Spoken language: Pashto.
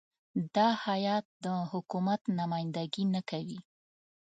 دا هیات د حکومت نمایندګي نه کوي.